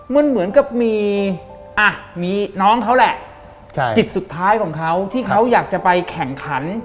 มันเหมือนกับมีน้องเขาแหละจิตสุดท้ายของเขาที่เขาอยากจะไปแข่งขัน